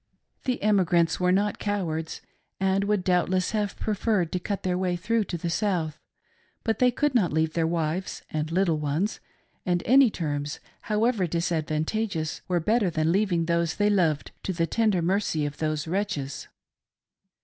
The emigrants were not cowards, and would doubtless have preferred to cut their way through to the South, but they could not leave their wive^ and little ones, and any terms, however disadvantageous, were better than leaving those they loved to the tender mercy of those wretches.